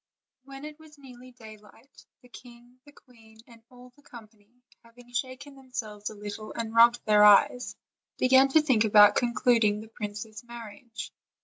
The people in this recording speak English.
When it was nearly daylight, the king, the queen, and all the company, having shaken themselves a little and rubbed their eyes, began to think about concluding the princess' marriage.